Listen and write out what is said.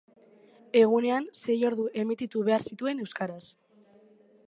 Egunean sei ordu emititu behar zituen euskaraz.